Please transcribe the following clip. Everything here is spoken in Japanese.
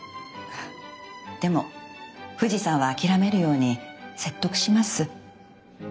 でも富士山は諦めるように説得します。